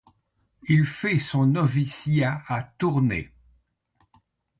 Il fait son noviciat à Tournai.